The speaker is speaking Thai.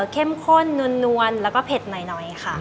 เข้มข้นนวลแล้วก็เผ็ดหน่อยค่ะ